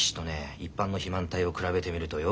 一般の肥満体を比べてみるとよく分かるよ。